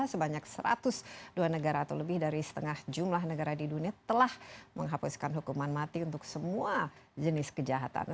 sebanyak satu ratus dua negara atau lebih dari setengah jumlah negara di dunia telah menghapuskan hukuman mati untuk semua jenis kejahatan